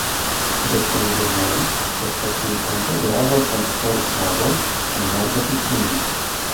Deŝengmen estas nuntempe grava transportonodo en norda Pekino.